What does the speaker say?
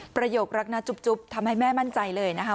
ประโยครักนะจุ๊บทำให้แม่มั่นใจเลยนะคะ